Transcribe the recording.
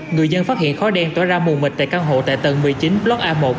người dân phát hiện khói đen tỏa ra mù mịt tại căn hộ tại tầng một mươi chín block a một